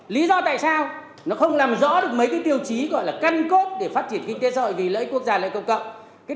lý do tại sao nó không làm rõ được mấy tiêu chí gọi là cân cốt để phát triển kinh tế xã hội vì lợi ích quốc gia lợi ích công cộng